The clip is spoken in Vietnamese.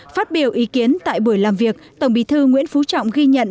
phát biểu ý kiến tại buổi làm việc tổng bí thư nguyễn phú trọng ghi nhận